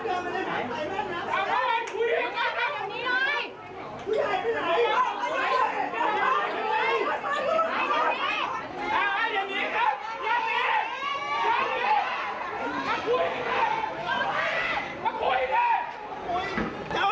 จะฝังป้าว